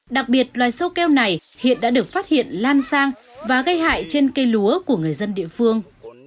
đặc biệt loài sâu keo này hiện đã được phát hiện lan sang và gây hại trên cây lúa của người dân địa phương